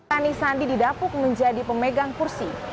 anies sandi didapuk menjadi pemegang kursi